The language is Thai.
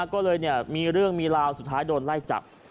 ก็เลยมีเรื่องมีราวสุดท้ายโดนไล่จับ